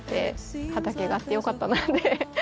畑があってよかったなって。